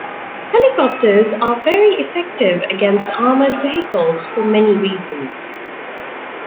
Helicopters are very effective against armoured vehicles for many reasons.